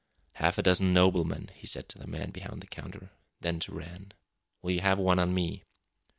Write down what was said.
"Half a dozen 'Noblemen,'" he said to the man behind the counter; then, to Rann: "Will you have one on me?"